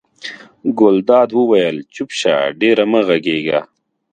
ګلداد وویل چپ شه ډېره مه غږېږه.